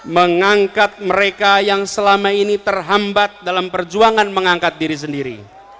mengangkat mereka yang selama ini terhambat dalam perjuangan mengangkat diri sendiri